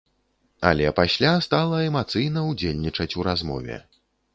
Але пасля стала эмацыйна ўдзельнічаць у размове.